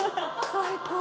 最高。